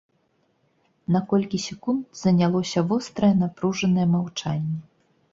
На колькі секунд занялося вострае напружанае маўчанне.